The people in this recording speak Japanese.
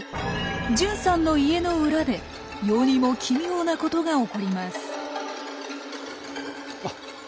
純さんの家の裏で世にも奇妙なことが起こります。